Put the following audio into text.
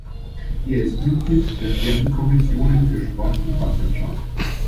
Er ist Mitglied der Sejm Kommissionen für Sport sowie Landwirtschaft.